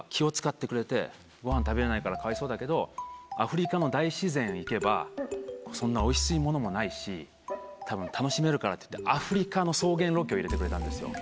「ごはん食べれないからかわいそうだけどアフリカの大自然行けばそんなおいしいものもないしたぶん楽しめるから」っていってアフリカの草原ロケを入れてくれたんですよ